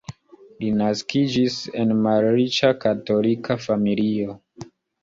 Li naskiĝis en malriĉa katolika familio.